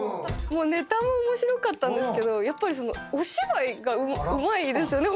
ネタも面白かったんですけどやっぱりお芝居がうまいですよね